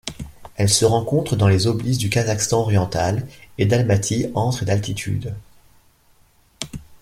Elle se rencontre dans les oblys du Kazakhstan-Oriental et d'Almaty entre et d'altitude.